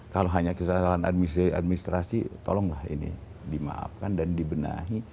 kalau hanya kesalahan administrasi tolonglah ini dimaafkan dan dibenahi